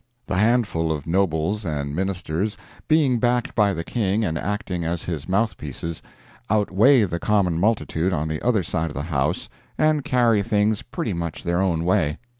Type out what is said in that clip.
The handful of Nobles and Ministers, being backed by the King and acting as his mouthpieces, outweigh the common multitude on the other side of the House, and carry things pretty much their own way.